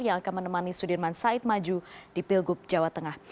yang akan menemani sudirman said maju di pilgub jawa tengah